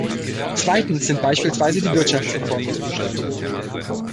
Zweitens sind beispielsweise die Wirtschaftsreformen zu beschleunigen.